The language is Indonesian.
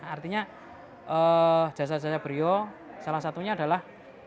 artinya jasa jasa beliau salah satunya adalah